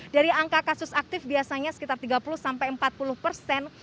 dari angka kasus aktif biasanya sekitar tiga puluh sampai empat puluh persen